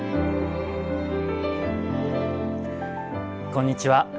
こんにちは。